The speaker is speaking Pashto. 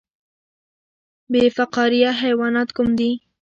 بې فقاریه حیوانات کوم دي؟